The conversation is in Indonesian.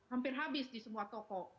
hampir habis di semua toko